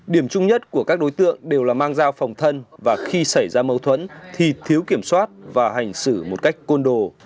điểm chung nhất của các đối tượng đều là mang dao phòng thân và khi xảy ra mâu thuẫn thì thiếu kiểm soát và hành xử một cách côn đồ